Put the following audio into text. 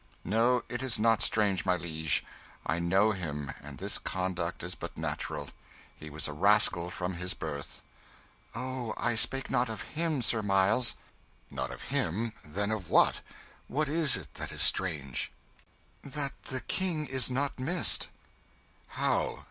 "No, it is not strange, my liege. I know him, and this conduct is but natural. He was a rascal from his birth." "Oh, I spake not of him, Sir Miles." "Not of him? Then of what? What is it that is strange?" "That the King is not missed." "How?